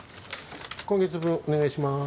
今月分お願いします。